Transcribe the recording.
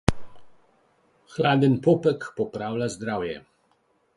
Hladen popek popravlja zdravje.